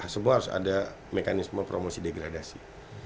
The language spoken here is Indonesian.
semua harus ada mekanisme promosi degradasi